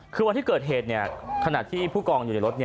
คือวันที่เกิดเหตุขณะที่ผู้กองอยู่ในรถ